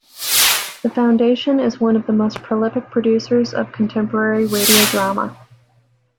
The foundation is one of the most prolific producers of contemporary radio drama.